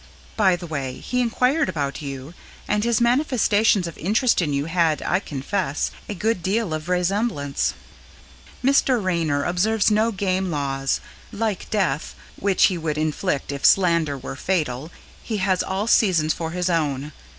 (By the way, he inquired about you, and his manifestations of interest in you had, I confess, a good deal of vraisemblance.) Mr. Raynor observes no game laws; like Death (which he would inflict if slander were fatal) he has all seasons for his own.